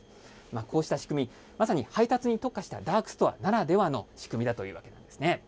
こうした仕組み、まさに配達に特化したダークストアならではの仕組みだということなんですね。